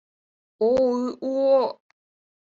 О-у-ы-о!..